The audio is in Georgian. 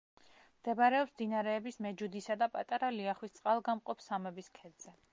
მდებარეობს მდინარეების მეჯუდისა და პატარა ლიახვის წყალგამყოფ სამების ქედზე.